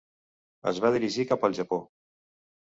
Es va dirigir cap al Japó.